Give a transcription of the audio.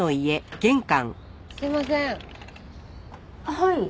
はい。